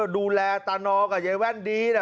ดูแลตานอกับยายแว่นดีนะ